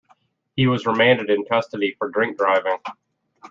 He was remanded in custody for drink driving.